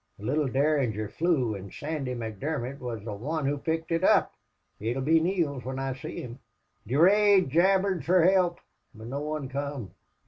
The little derringer flew, an' Sandy McDermott wuz the mon who picked it up. It'll be Neale's whin I see him.... Durade jabbered fer help. But no wan come.